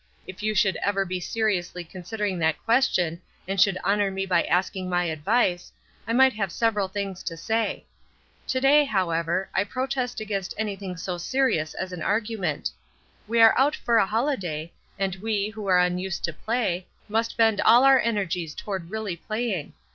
If you should ever be seriously considering that question and should honor me by asking my advice, I might have several things to say. To day, however, I pro test against anything so serious as an argument. We are out for a holiday, and we, who are unused to play, must bend all our energies toward really playing.